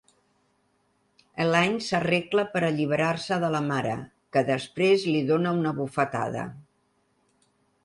Elaine s'arregla per alliberar-se de la mare, que després li dona una bufetada.